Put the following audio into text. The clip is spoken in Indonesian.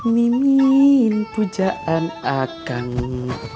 mimin pujaan agama